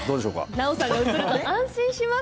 南朋さんが映ると安心します。